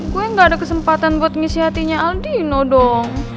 gue gak ada kesempatan buat ngisi hatinya aldino dong